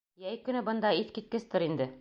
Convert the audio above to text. Йәй көнө бында иҫ киткестер инде.